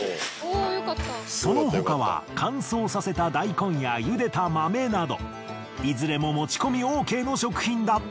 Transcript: その他は乾燥させた大根や茹でた豆などいずれも持ち込みＯＫの食品だった。